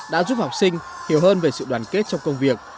đã giúp học sinh hiểu hơn về sự đoàn kết trong công việc